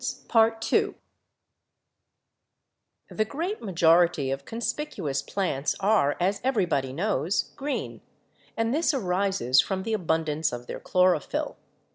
9^ BIOLQGY "The great majority of conspicuous plants are, as every body knows, green, and this arises from the abundance of their chlorophyll.